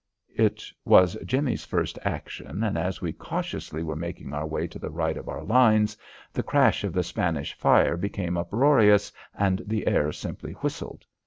It was Jimmie's first action, and, as we cautiously were making our way to the right of our lines, the crash of the Spanish fire became uproarious, and the air simply whistled.